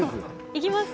いきます。